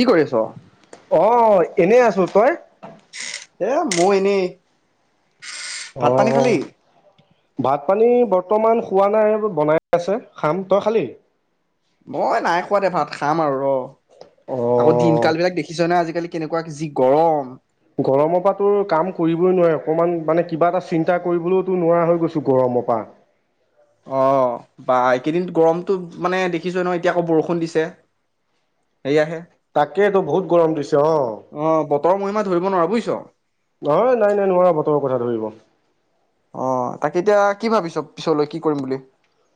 কি কৰি আছ অ', এনেই আছো তই এ মই এনেই ভাত পানী খালি আমি বৰ্তমান খোৱা নাই বনাই আছে খাম তই খালি মই নাই খোৱা দে ভাত খাম আৰু ৰ আকৌ দিন অ', কাল বিলাক দেখিছ নে আজি আজিকালি কেনেকুৱা যি গৰম গৰমৰ পৰা তো কাম কৰিবই নোৱাৰে অকমান মানে কিবা এটা চিন্তা কৰিবলৈওতো নোৱাৰা হৈ গৈছো গৰমৰ পৰা অ বা এইকেইদিন গৰমটো মানে দেখিছো নহ এতিয়া আকৌ বৰষুণ দিছে সেয়াহে তাকেই তটো বহুত গৰম দিছে অ বতৰ মহিমা ধৰিব নোৱাৰা বুজিছো নহয় নাই নাই নোৱাৰ বতৰৰ কথা ধৰিব অ তাকে এতিয়া কি ভাবিছ পিছলৈ কি কৰিম বুলি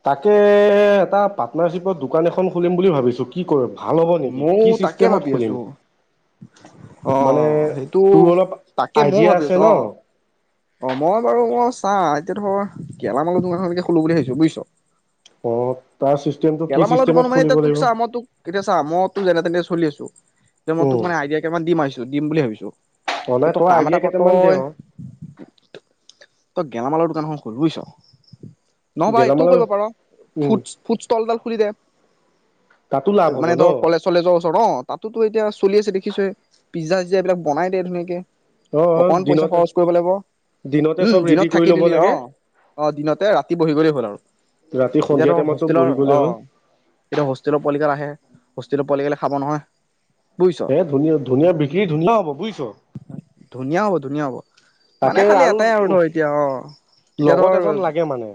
তাকে এটা পাৰ্টনাৰশ্বিপত দোকান এখন খুলিম বুলি ভাবিছো কি কৰি ময় তাকে ভাবি আছো অ মানে সেইটো তোৰ অলপ তাকে ময় আইডিয়া ভাবি আছে আছো ন? অ অ মই বাৰু এতিয়া ধৰ গেলামাল দোকান খো বুলি ভাবিছোঁ বুজিছো অ তাৰ চিষ্টেমটো কি গেলামালৰ চিষ্টেমত দোকান মানে খুলিব এতিয়া তোক লাগিব চাহ মই তোক এতিয়া চাহ ম তো যেনে তেনে চলি আছো ত যে মই তোক মানে আইডিয়ামান দিম আছ দিম বুলি ভাবিছো যে মানে তই কাম এটা আইডিয়া কৰ কেইটামান দে তই অ তই গেলামালৰ দোকানখন খ'ন বুজিছো নহবা এইটোও গেলামালৰ কৰিব পাৰ উম, ফুট ফুট কলডাল খুলি দে তাতো লাভ হ'ব মানে ন? ধৰ কলেজ চলেজৰ অ, তাতোতো এতিয়া চলি আছে দেখিছএ। পিজ্জা চিজ্জা এইবিলাক বনাই দে ধুনীয়াকে। অ', অকমান পইচা দিনতে খৰচ কৰিব লাগিব, দিনতে উম, চব ৰেডি দিনত কৰি থাকি ল'ব দিলি। অ। লাগে। অ, দিনতে, ৰাতি বহি গলেই হ'ল আৰু। ৰাতি এতিয়া সন্ধিয়া ধৰ টাইমতো বহি গ'লে হ'ল। অ', এতিয়া হোষ্টেলৰ পায়ালিগাল আহে। হোষ্টেলৰ পোৱালি গালে খাব নহয়। বুজিছ? এ ধুনীয়া ধুনীয়া বিক্ৰী ধুনীয়া হ'ব বুজিছ। ধুনীয়া হ'ব, ধুনীয়া হ'ব। মানে খালি এটাই আৰু ধৰ এতিয়া, অ'। এতিয়া লগত ধৰ এজন লাগে মানে।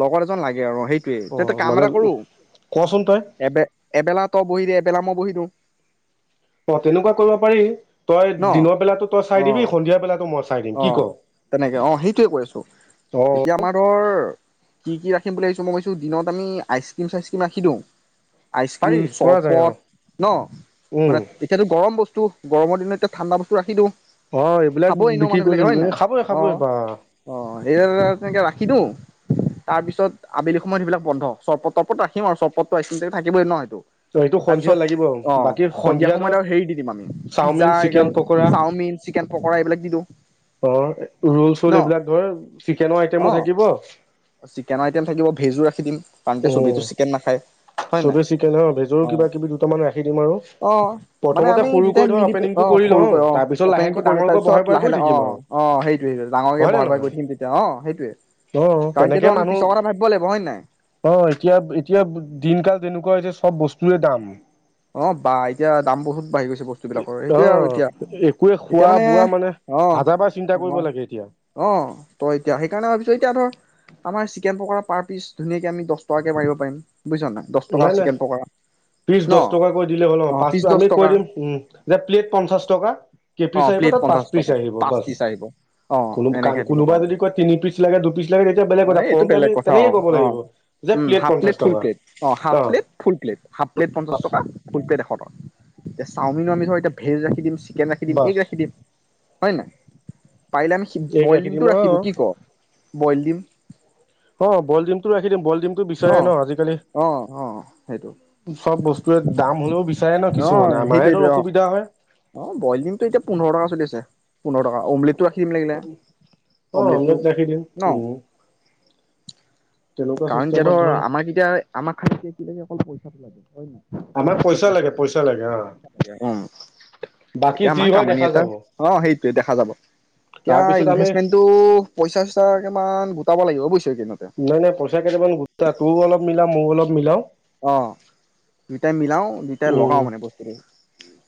লগৰ এজন লাগে আৰু, সেইটোৱেই। তেই অ', কাম মানে এটা কৰোঁ? কচোন তই এব এবেলা তই বহি দে, এবেলা মই বহি দিওঁ। অ', তেনেকুৱা কৰিব পাৰি। তই ন দিনৰ বেলাতো তই অ চাই দিবি, সন্ধিয়া বেলাতো মই চাই। দিম কি ক? অ', তেনেকে অ', সেইটয়ে কৈ আছোঁ, অ', এতিয়া আমাৰ ধৰ কি কি ৰাখিম বুলি ভাবিছো মই ভাবছো দিনত আমি আইচক্ৰীম চাইচক্ৰীম ৰাখি দিওঁ। পাৰি আইচক্ৰীম পৰা যায় অ', চৰবত ন? উম, মানে এতিয়াতো গৰম বস্তু গৰমৰ দিনত এতিয়া ঠাণ্ডা বস্তু ৰাখি দিওঁ। অ', এইবিলাক মানহ বিলাক হয় কৰিলে নাই? খাবই অ, খাবই বা অ, তে ৰা [unintelligible] তাৰপিছত আবেলি সময়ত সেইবিলাক বন্ধ। চৰপত তৰপত ৰাখিম আৰু চৰপতটো আইচক্ৰীমতো থাকিবই ন সেইটো। এইটো সন্ধিয়া তাৰপিছত লাগিব অ বাকী সন্ধিয়া তই সময়ত আৰু হেৰি দি দিম আমি পিজ্জা চাওমিন, এইগাল chicken pakora chowmein chicken pakora এইবিলাক দি দিওঁ। অ', ৰোল ন চল এইবিলাক ধৰ চিকেনৰ অ আইটেমো থাকিব, চিকেনৰ আইটেম থাকিব ভেজো ৰাখি দিম কাৰণ এতিয়া চবেইতো উম, চিকেন নাখায় হয় নাই চিকেন ভেজৰো অ কিবা কিবি দুটামান ৰাখি দিম, আৰু অ মানে প্ৰথমতে আমি দুটাই সৰুকৈ ধৰ মিলি অ অপেনিংটো কৰি লওঁ, সৰুকৈ অ তাৰপিছত অপেনিংটো লাহেকৈ কৰিলো ডাঙৰকৈ তাৰপিছত বহাই লাহে লাহে অ অ সেইটোয়ে সেইটো ডাঙৰকে হয় নে বহাই বহাই কৰি নহয় থিম তেতিয়া অ সেইটোয়ে অ কাৰণ তেনেকে তেতিয়াতো আমি মানুহ পিছৰ কথা ভাবিব লাগিব হয়ে নাই। অ এতিয়া এতিয়া দিন কাল তেনেকুৱা হৈছে চব বস্তুৰে দাম। অ, বা এতিয়া দাম বহুত বাঢ়ি গৈছে বস্তুবিলাকৰ। অ সেইটোৱে, আৰু এতিয়া একোৱে এতিয়া খোৱা মানে বোৱা অ হাজাৰ বাৰ চিন্তা কৰিব মই লাগে এতিয়া অ তই এতিয়া সেইকাৰণে ভাবিছ এতিয়া ধৰ আমাৰ চিকেন পকোৰা পাৰ পিচ ধুনীয়াক আমি দহ টকাকৈ পাৰিব পাৰিম। বুজিছা নাই, দহ টকা চিকেন পকৰা। পচ টকা কৈ দিলে হ'ল ন? অ পাঁচ পিচ দহ আমি কৈ টকা দিম, উম, যে প্লেট পঞ্চাশ টকা, কেই অ পিচ আহিব? প্লেট তাত পাঁচ পঞ্চাশ পিচ টকা আহিব, পাঁচ বাচ পিচ আহিব অ কোনো এনেকে দিব কোনোবা পাৰো যদি কয় তিনি পিচ লাগে দু পিচ লাগে তেতিয়া বেলেগ অ কথা এই এইটো কৰওঁতে আমি বেলেগ কথা অ তেনেকে ক'ব লাগিব যে প্লেট পঞ্চাশ টকা অঁ, হাফ অ' plate, full plate. Half plate পঞ্চা ফুল প্লেট এশ টকা। এতি চাওমিনো আমি ধৰ এতিয়া ভেজ ৰাখি দিম। চিকেন ৰাখি দিম, এগ বাছ ৰাখি দিম। হয় নাই? পাৰিলে আমি বইল দিমটো ৰাখি দিম, কি ক? বইল দিম। অ', বইল ডিমটো ৰাখি দিম, বই দিমতটো অ বিচাৰে ন আজিকালি অ অ সেইটো চব বস্তুৰে দাম হ'লেও বিচাৰে ন অ কিছুমানে আমাৰতো সেইটোৱে অ অসুবিধা হয় অ বইল দিমটো এতিয়া পোন্ধৰ টকা চলি আছে পোন্ধৰ টকা উমলিত অ আ দেখি দিম ন উম তেনেকুৱা কাৰণ এতিয়া ধৰ আমাৰ এতিয়া আমাৰ খে অল পই লাগে হয় আমাক নাই পইচা লাগে পইচা লাগে অ' বাকী এতিয়া যি আমাৰ হয় কামানি দেখা এটা যাব অ সেইটোয়ে দেখা যাব এতিয়া তাৰপিছত আমি ইনভেষ্টমেন্টটো পইচা চইচা কিান গোটাব লাগিব বুজিছ এইকেইদিনতে নাই নাই পইচা কেইটামান গ ত তোৰও অলপ মিলা ময়ো অলপ মিলাও অ দুইটাই মিলাও দুইটাই লগাও উম মানে বস্তুটো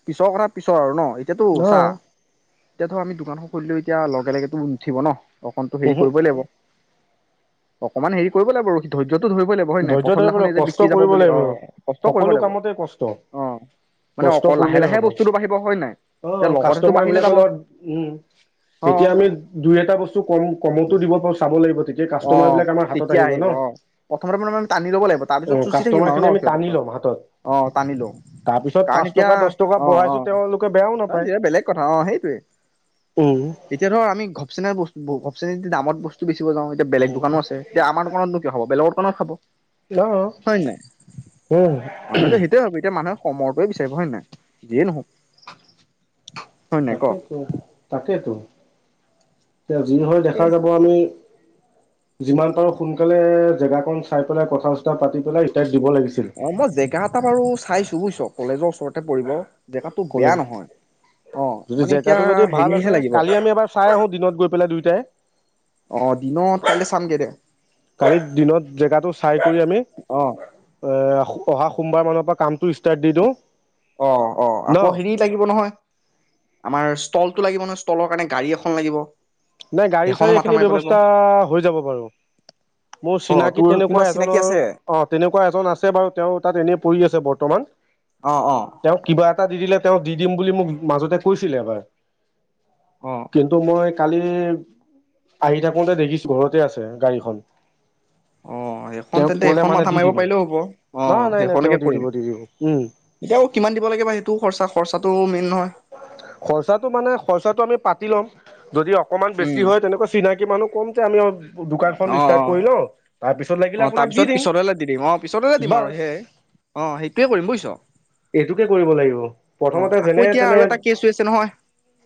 পিছৰ কথা পিছৰ আৰু ন এতিয়া তো চ অ এতিয়া ধৰক আমি দোকান খুলিলোও এতিয়া লগে লগেেতো উঠিব ন অকণো হেৰি উহু কৰিবই লাগিব অকমান হেৰি কৰিব লাগিব আৰু ধৰি য'টো ধৰিব লাগিব হয় নাই ধৈৰ্য ধৰিব প্ৰথমনাখনে লাগিব যে কষ্ট যাব কৰিব বুলি অ লাগিব কষ্ট কৰিব সকলোঁ লাগিব কামতে কষ্ট অ মানে কষ্ট অক লাহে কৰিলেহে লাহে হব বস্তুটো বাঢ়িব হয় নাই এতিয়া অ লগতেতো কাস্তমাৰ বাঢ়ি নাযাব লগত উম্ অ তেতিয়া আমি দুই এটা বস্তু কম কমটো দিব পাৰোঁ চাব লাগিব তেতিয়া অ কাষ্টমাৰ বিলাক আমাৰ হাতত তেতিয়া ন আহিব অ প্ৰথমতে মানে টানি ল'ব লাগিব অ তাৰপিছত চুচি থাকিম কাষ্টমাৰ আৰু ন খিনি আমি সিহঁতৰ টানি পৰা ল'ম হাতত অ টানি লওঁ তাৰপিছত কাৰণ পাঁচ এতিয়া টকা দহ টকা অ অ বঢ়াইছো তেওঁলোকে বেয়াও নাপায় এয়া বেলেগ কথা অ সেইটোৱে উম এতিয়া ধৰ আমি ঘপচনোই বস্তু ভবচে দামত বস্তু বেচিব যাওঁ বেলেগ দোকানো আছে তেতিয়াম দোকানতনো ক হ'ব বেগৰ অনা খাব নহ হয় নাই উম মানুহেতো সেইটোৱে ভাবে এতিয়া মানুহে কমৰটোৱে বিচাৰে হয়ে নাই যিয়ে নহওক হয় নাই ক তাকেতো তাকেতো তে যি হয় দেখা এ যাব আমি যিমান পাৰো সোনকালে জেগা কন চাই পেলাই কথা চতা পাতি পেলাই ইতয় অ মই জেগা এটা বাৰু চাইছো তু বুজিছ কলেজৰ ওচৰতে পঢ়িব কলে যদি মানে এতিয়া জেগাতটো যদি ভাল হেৰিহে আছে লাগিব কালি আমি এবাৰ চাই আহো দিনত গৈ পেলাই দুইটাই অ দিনত কাইলৈ চামগে দে কালি দিনত জেগাটো চাই কৰি আমি অ এ অহা সোমবাৰ মানৰ পৰা কামটো ষ্টাৰ্ট দি দিওঁ। অ' অ' ন আকৌ হেৰি লাগিব নহয় আমাৰ ষ্টলতটো লাগিব ন ষ্টলৰ কাৰণে গাড়ী এখন লাগিব। নাই গাড়ী চাড়ী সেইখনো মাথা এইখিনি মাৰিব লাগিব ব্যৱস্থা হৈ যাব বাৰু মোৰ অ চিনাকী তোৰ তেনেকুৱা কোনোবা চিনাকি এজনৰ আছে অ তেনেকুৱা এজন আছে বাৰু তেওঁ তাত এনেই পৰি আছে বৰ্ত। বৰ্তমান অ অ তেওঁ কিবা এটা দি দিলে। তেওঁ দি দিম বুলি মোক মাজতে কৈছিলে এবাৰ। অ কিন্তু মই কালি আহি থাকোতে দেখিছো ঘৰতে আছে গাড়ীখন। অ' সেইখন তেওঁক তেন্তে ক'লে এইখন মানে মাথা দি মাৰিব দিব পাৰিলেও হ'ব অ নহয় নাই নাই তেওঁ সেইখনকে দি কৰিম দিব দি দিব উম এতিয়া আ কিমান দিব লাগে বা সেইটোও খচা খৰচাটো নহয় খৰচাটো মানে খৰচাটো আমি পাতি ল'ম। যদি অ। অকমান বেছি উম হয় তেনেকুৱা চিনাকি মানুহ কমতে আমি দোকানখন অ ষ্টাৰ্ট অ কৰি লওঁ। তাৰপিছত লাগিলে অ' তাৰ আপোনাক দি পিছত দিম পিছতেলে দি দিম অ পিছতে দিম আৰু বাছ সেই অ সেইটোয়ে কৰিম বুজিছ এইটোকে কৰিব লাগিব অ প্ৰথমতে আকৌ যেনে এতিয়া। তেনে আৰু এটা কেছ হৈ আছে নহয়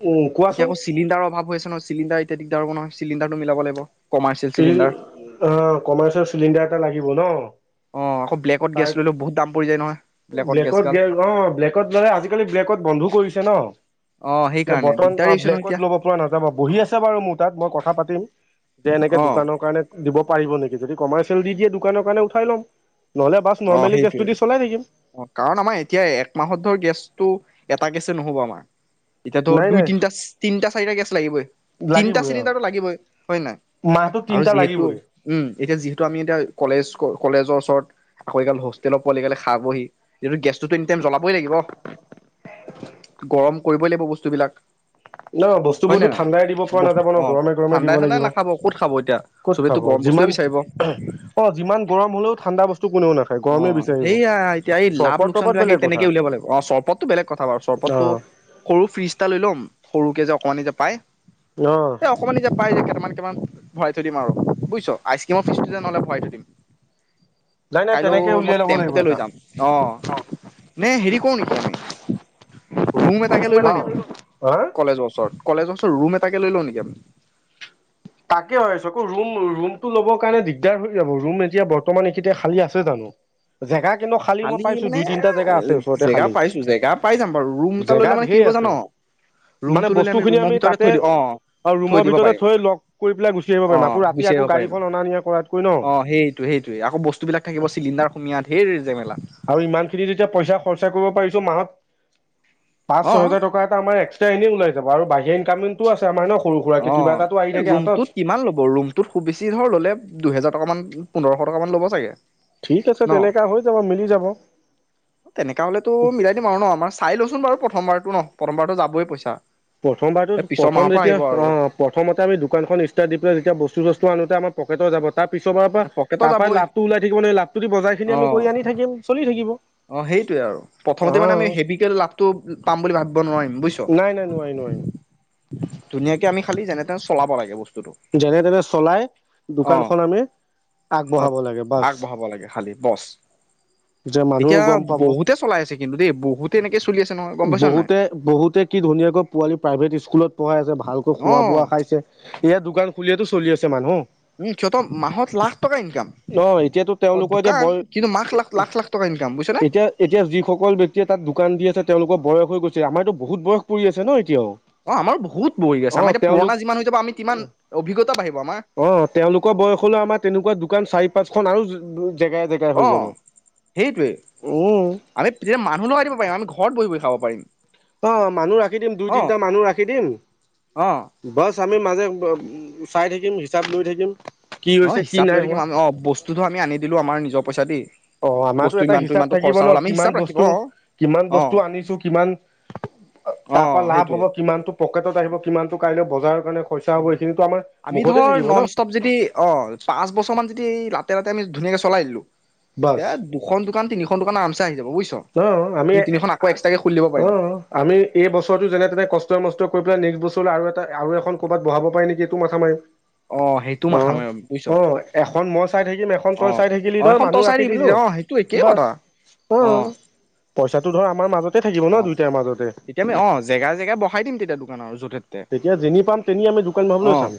উম এতিয়া কোৱাচোন আকৌ চিলিণ্ডাৰৰ অভাৱ হৈছেছে নহয় চিলিণ্ডাৰ এতিয়া দিগদাৰ হব নহয়। চিলিণ্ডাৰটো মিলাব লাগিব। কমাৰ্চিয়েল চিলিণ্ডাৰ অ কমাৰ্চ চিলিণ্ডাৰ এটা লাগিব ন অ আকৌ ব্লেকত গেছ তাৰ ললেও বহুত দাম পৰি যায় নহয় গেছ ব্লেকত গাল গ অ ব্লেকত মানে আজিকালি ব্লেকত বন্ধো কৰিছে ন। অ। এ সেইকাৰণে ব্তন দিগদাৰি অ হৈছে নহয় ব্লেকত এতিয়া ল'ব পৰা নাযাবা বহি আছে বাৰু মোৰ তাত মই কথা পাতিম। যেনেকে অ দোকানৰ কাৰণে দিব পাৰিব নেকি যদি কমাৰ্চিয়েল দি দিয়ে দোকানৰ কাৰণে উঠাই ল'ম। নহ'লে বাছ অ নৰ্মেলি গেছটো সেইটয়ে দি চলাই থাকিম অ কাৰণ আমাৰ এতিয়া একমাহত ধৰ গেছটো এটা গেছে নহ'ব আমাৰ। এতিয়াাতো নাই দুই নাই তিনিটা তিনটা চাৰিটা গেছ লাগিবই তিনটা লাগিবই আৰু চিলিণ্ডাৰটো লাগিবই হয় নে নাই মাহটোত আৰু তিনিটা যিহেতু লাগিবই উম এতিয়া যিহেতু আমি এতিয়া কলেজ কলেজৰ ওচৰত। আকৌ এইাল হোষ্টেলত পোৱালিগালে খাব বহি যটো গেছ টো। জ্বলাবই লাগিব গৰম। কৰিবই লাগিব বস্তুবিলাক। ন হয় নে বস্তুবোৰতো নাই ঠাণ্ডাই দিব পৰা বস্তু নাযাব ন অ গৰমে গৰমে ঠাণ্ডাই দিব ঠাণ্ডাই লাগিব নাখাব ক'ত খাব এতিয়া ক'ত চবেতো খাব গৰম বস্তুৱে যিমান বিচাৰিব অ যিমান গৰম হলেও ঠাণ্ডা বস্তু কোনেও নাথ। অ সেইয়া এতিয়া এই লাভ লোকচান তৰবত ক সেই বেলেগ কথা তেনেকে উলিয়াব লাগিব অ চৰবতটো বেলেগ কথা বাৰু অ চৰবতটো সৰু ফ্ৰিজটা লৈ [inaudible] সৰুকে যে অকমানি যে পাই। অ এ অকণমান নিতিা পাই যায় তে কি ভৰাই থৈ দিম আৰু বুজিছ আইচক্ৰীমৰ ফিচ নহলে ভৰাই থৈ দিম নাই নাই তেনেকে কাইলৈ মই উলিয়াই ল'ব লাগিব টেম্পুতে লৈ এটা যাম অ নে হেৰি কৰো নেকি আমি ৰুম এটাকে হুম লৈ লওঁ এটা নেকি হা কলেজৰ ওচৰত কলেজৰ ওচৰত ৰুম এটাকে লৈ লওঁ নেকিি তাকে চকৌ ৰুম ৰুমটো ল'বৰ কাৰণে দিগদাৰ হৈ যাব ৰুম এতিয়া বৰ্তমান এইখিনয়া খালী আছে জানো জেগা কিন্তু খালী মই খালি পাইছো মানে দুই তিনিটা জেগা আছে ওচৰতে জেগা খালী পাইছো জেগা পাই যাম বাৰু ৰুম এটা জেগা ললে মানে কি ঢেৰ ক জা আছে। ন মানে ৰুমটো ললে আমি বস্তুখিনি ৰুমৰ ভিতৰ তাতে থৈ দিম অ আৰু থৈ ৰুমৰ দিব ভিতৰতে পাৰিম থৈ লগ কৰি পেলাই গুচি আহিব অ পাৰিম আকৌ ৰাতি গুচি আকৌ আহিব পাৰিম গাড়ীখন অনা নিয়া কৰাতকৈ ন অ সেইটো সেইটোৱে আকৌ বস্তু বিলাক থাকিব চিলিণ্ডাৰ সমিয়াত ঢেৰ আৰু ইমান খিনি যেতিয়া পইচা খৰচা কৰিব পাৰিছো মাহত পাঁচ অ ছহেজাৰ টকা এটা আমাৰ্স্ৰা এনেই ওলাই যাব আৰু বাহিৰ কামিন টো আছে আমে ন সৰু সুৰাক অ কিবা এাতো আহি এই থাকে হাতত। কিমান ল'ব মব বেছি ধ ললে দুহেজাৰ টকাান পোন্ধ ছ টামান ল'ব ছাগে ঠিক আছে ন তেনেকা হৈ যাব মিলি যাব। তেনেককা হলেতো মিলাই দিম আৰু ন আমাৰ চাই লওঁচোন বাৰু প্ৰথমবাৰতো ন পথম্পৰাটো যাবই পইছা প্ৰথমবাৰতটো প্ৰথম যেতিয়া অ প্ৰথমতে আমি দোকানখন ষ্টাৰট দি পেলাই যেতিয়া বস্তু চ্তু আনতে আম পকেটৰ যাব তাৰ পিছৰাৰ পৰা পকেটৰ তাৰ পৰাই যাবই লাভটো ওলাই থিব নে লাভটো দি বজাই অ খিনি আমি কৰি আনি থাকম চলি থাকিব অ সেইটয়ে আৰু অ প্ৰথমতে মানে আমি হেভিকে লাভটো পাম বুলি ভাবি নাই নাই নোৱাৰি নোৱাৰি ধুনীয়াকে আমি খালি যেনে তেনে চলাব লাগে ব যেনে তেনে চলাই অ দোকানখন আমি অ আগবঢ়াব লাগে বাছ আগবঢ়াব লাগে খালি বছ যে ম এতিয়া বহুতে চলাই আছে কিন্তু দেই বহুতে এনেকে চলি আছে নহয় গম পাইছ নাই বহুতে বহুতে কি ধুনীয়াকৈ পোৱালি প্ৰাইভেট স্কুলত ়াই আছে ভালকৈ অ খোৱা বোৱা খাইছে ইয়য়া দোকান খুলিয়াতো চলি আছে মানুহ উম সিহঁতৰ মাহত লাখ টকা ইনকাম অ এতিয়াতো অ তেওঁলোকৰ এতিয়া দোকান বৰ কিন্তু মাখ লাখ লাখ লাখ টকা ইনকাম বুজিছ নে এতিয়া এতিয়া যিসকল ব্ক্তিয়ে তাত দোকান দি আছে তেওঁলোকৰ বয়স হৈ গৈছে আমাৰতো বহুত বয়স পৰি আছে ন এতিয়াও অ আমাৰ বহুত বহি আছে অ আমাৰ এতিয়া পুৰণা যিমান হৈ যাব আমি মান অভিজ্ঞ অঁ তেওঁলোকৰ বয়স হলেও আমাৰ তেনেকুৱা দোকান চাৰি পাঁচখনন আৰু অঁ অঁ সেইটোৱে উম আমি তেতিয়া মানুহ লগাই দিব পাৰিম আমি ঘৰত বহি বহি খাব পাৰিম অঁ মানুহ ৰাখি দিম দুই অ তিনটা মানুহ ৰাখি দিম অ বচ আমি মাজে চাই থাকিম হিচাপ লৈ থাকিম কি অ হৈছে কি হিচাপ লৈ নাই হোৱা থাকিমি অঁ বস্তুতো আমি আনি দিলো আমাৰ নিজৰ পইচা দি অঁ আমাৰো বস্তু এটা ইমানটো হিচাপ ইমানটো থাকিব খৰচা ন হ'ল আমি কিমান হিচাপ ৰাখিম বস্তু অ কিমান অ বস্তু আনিছো কিমান অ তাৰ পৰাা লাভ সেইটোৱে হব কিমানতটো পকেটত আহিব কিমানতটো কাইলৈ বজাৰ আমি ধৰ ন নন ষ্টপ যদি অ' পাঁচ বছৰমানান যদি তেনেকে আমি ধুনীয়াকে চলাই দিলো এতিয়া বাছ দুখন দোকান তিনিখন দোকান আৰামছে আহি যাব বুজিছ অ' আমি দুই তিনিখন আকৌ এক্সট্ৰাকে খুলি দিব পাৰিম অঁ আমি এই বছৰটো যেনে তেনে কষ্ট মষ্ট কৰি নেক্স বছৰ আৰু এটা আৰু এখন ক'বাত বহাব পাৰি নেকি এইটো মাথা মাৰিম অ সেইটো মাথা অঁ মাৰিম বুজিছ অঁ এখন মই চাই থাকিম এখন অ তই চাই থাকিলি অ ধৰ এখন মানুহ তই চাই ৰাখি থাকিবি দিলো তেতিয়া অ সেইটো একেই বচ কথা অঁ পইচাটো ধৰ আমাৰ মাজত অঁ তেতিয়া আমি অঁ জেগা জেগাই বহাই দিম তেতিয়া দোকান [unintelligible] তেতিয়া যেনি পাম তেনি আমি দোকান অ বহালৈ চাম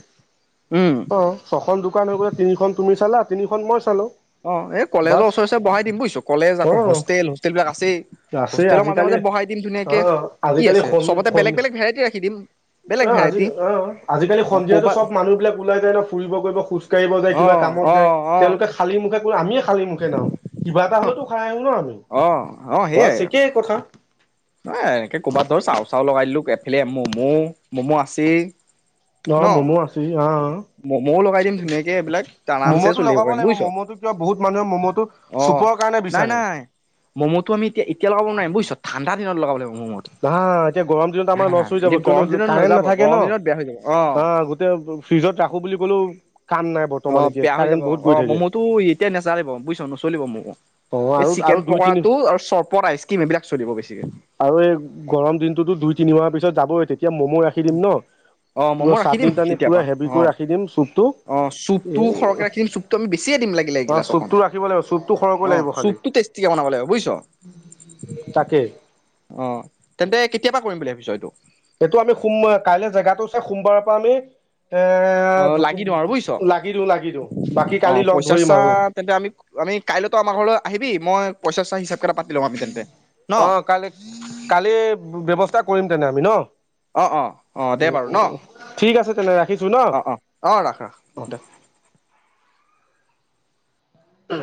উম অঁ ছখন দোকান হৈ গলে তিনিখন তুমি চালা তিনিখন মই চালোঁ অঁ এই কলেজৰ ওচৰে ওচৰে বহাই দিম বুজিছো কলেজ অ আকৌ হোষ্টেল হোষ্টেল বিলাক আছেই আছেই হোষ্টেলৰ মাজে আজিকালি মাজে বঢ়াই দিম অ ধুনীয়াকে কি আজিকালি আছে সন সবতে বেলেগ সন বেলেগ ভেৰাইটি ৰাখি দিম বেলেগ অ' আজি ভেৰাইটি অ' আজিকালি অ সন্ধিয়া ক'বা চব মানুহ বিলাক ওলাই যায় ন ফুৰিব কৰিব খোজকাঢ়িব যায় অ কিবা কামত অ যায় অ তেওঁলোকে খালি আমি খালি মোকে নও কিবা এটা হলেতো খাই আহো ন আমি অঁ অঁ বাছ সেইয়াই আৰু একেই কথা অঁ একে কৰ'বাত ধৰ চাউ চাউ লগাই দিলো এফালে ম'মো ম'মো আছে অ ন ম'ম' আছেই অ মম'ও লগাই দিম ধুনীয়াকে এইবিলাক আৰামচে ম'ম'টো চলিব লগাব পাৰিম লাগিব বুজিছ ম'ম'টো কিয় বহুত মানুহে ম'ম'টো অ চুপৰ কাৰণে নাই বিচাৰে নাই ম'ম'টো আমি এতিয়া এতিয়া লগাব নোৱাৰিম বুজিছ এটা দিনত লগাব লাগিব ম'ম'টো অঁ এতিয়া গৰম দিনত আমাৰ লচ হৈ যাব এতিয়া কিয়নো গৰম দিনত কাৰেণ্ট নাযাব নাথাকে গৰম ন দিনত বেয়া হৈ যাব অ অঁ গোটেই ফ্ৰিজত ৰাখো বুলি ক'লেও কাম নাই বৰ্তমান অ' এতিয়া বেয়া হৈ কাৰেণ্ট যাব বহুত গৈ অঁ থাকে ম'ম'টো এতিয়া নেচাৰিব বুজিছ নচলিব ম'মো অ এই আৰু আৰু চিকেন দুই তিনি পকৰাটো আৰু চৰ্বত আইচ কিম এইবিলাক চলিব বেছিকে আৰু এই গৰম দিনটোতো দুই তিনিমাহ পিছত যাবই এতিয়া অ', মম' ৰাখি দিম চাটনি তাটনি তেতিয় পুৰা পৰা হেভিকৈ অ', ৰাখি দিম চুপটো অ', এ চুপটো সৰহকে ৰাখি দিম চুপটো আমি বেছিয়ে দিম লাগিলে অ এইগিলাছ অকণ চুপটো ৰাখিব লাগিব চুপটো সৰহকৈ অ', লাগিব খালি চুপটো টেষ্টিকে বনাব লাগে বুজিছ অ'। তাকে তেন্তে কেতিয়াবা কৰিম বুলি ভাবিছ' এইটো? এইটো আমি সোম কাইলৈ জেগাতটো চাই সোমবাৰৰ পৰা আমি এ, অ লাগি দিওঁ আৰু বুজিছ লাগি দি লাগি দিওঁ বাকী অ কালি লগ পইচা ধৰিম চইচা আৰু। তেন্তে আমি আমি কাইলৈতো আমাৰ ঘলেলৈ আহিবি মই পইচা চচা হিচাপ কটা পাতি লম আমি তেন্তে। ন অ', কালি কালি ব্যৱস্থা কৰিম। তেনে আমি ন'? অ', অ', অ', দে বাৰু ন' ঠিক আছে তেনে ৰাখিছো ন অ', অ', অ', ৰাখ ৰাখ অ দে। উম।